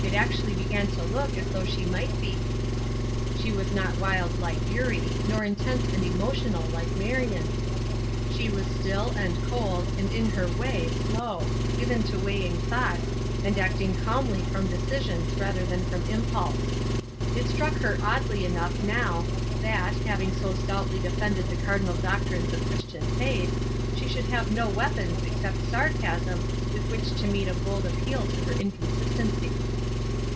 It actually began to look as though she might be. She was not wild like Eurie, nor intense and emotional, like Marion; she was still and cold, and, in her way, slow; given to weighing thoughts, and acting calmly from decisions rather than from impulse. It struck her oddly enough now that, having so stoutly defended the cardinal doctrines of Christian faith, she should have no weapons except sarcasm with which to meet a bold appeal to her inconsistency.